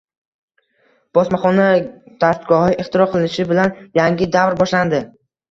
Bosmaxona dastgohi ixtiro qilinishi bilan yangi davr boshlandi.